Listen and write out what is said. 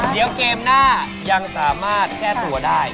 เดี๋ยวเกมหน้ายังสามารถแก้ตัวได้